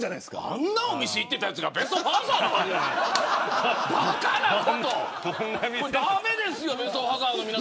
あんなお店行っていたやつがベストファーザーとかばかなことを。